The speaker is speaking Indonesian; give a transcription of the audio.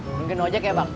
mungkin ojek ya bang